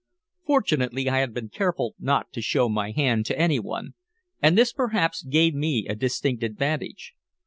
Fortunately I had been careful not to show my hand to anyone, and this perhaps gave me a distinct advantage.